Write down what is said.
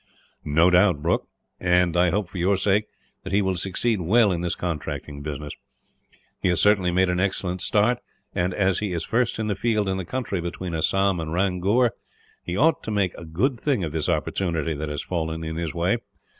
"No doubt, Brooke; and I hope, for your sake, that he will succeed well in this contracting business. He has certainly made an excellent start and, as he is first in the field in the country between Assam and Ramgur, he ought to make a good thing of this opportunity that has fallen in his way.